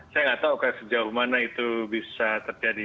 saya nggak tahu sejauh mana itu bisa terjadi